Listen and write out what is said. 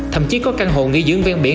thậm chí có căn hộ nghỉ dưỡng ven biển